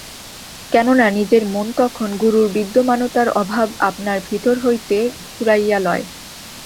কেননা, নিজের মন তখন গুরুর বিদ্যমানতার অভাব আপনার ভিতর হইতে পুরাইয়া লয়।